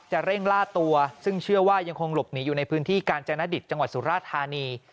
เร่งล่าตัวซึ่งเชื่อว่ายังคงหลบหนีอยู่ในพื้นที่กาญจนดิตจังหวัดสุราธานี